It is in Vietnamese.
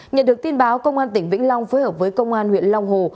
nhận được tin báo công an tỉnh vĩnh long phối hợp với công an huyện long hồ